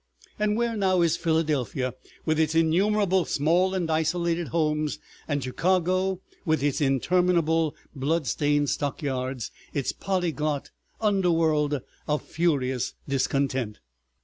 And where now is Philadelphia, with its innumerable small and isolated homes, and Chicago with its interminable blood stained stockyards, its polyglot underworld of furious discontent.